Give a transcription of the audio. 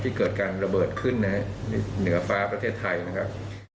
เกิดการระเบิดขึ้นในเหนือฟ้าประเทศไทยนะครับ